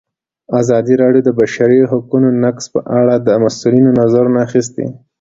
ازادي راډیو د د بشري حقونو نقض په اړه د مسؤلینو نظرونه اخیستي.